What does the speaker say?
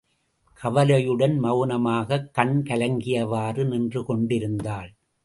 கவலையுடன் மெளனமாகக் கண் கலங்கியவாறே நின்றுகொண்டு இருந்தாள்.